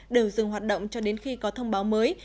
đều dừng hoạt động cho đến khi có thông báo mới